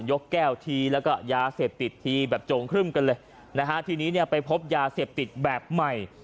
กแก้วทีแล้วก็ยาเสพติดทีแบบโจงครึ่มกันเลยนะฮะทีนี้เนี่ยไปพบยาเสพติดแบบใหม่